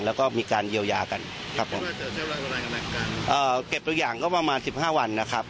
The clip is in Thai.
แล้วก็มีการเยียวยากันครับผมเอ่อเก็บตัวอย่างก็ประมาณสิบห้าวันนะครับ